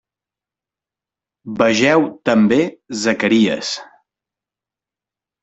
Vegeu també Zacaries.